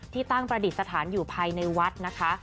ตั้งประดิษฐานอยู่ภายในวัดนะคะ